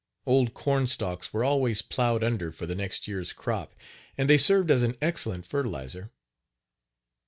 Old corn stalks were always plowed under for the next year's crop and they served as an excellent fertilizer.